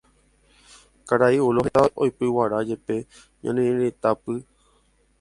Karai Ulo heta oipyguarajepe ñane retãpy